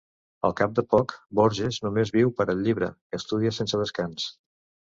Al cap de poc, Borges només viu per al llibre, que estudia sense descans.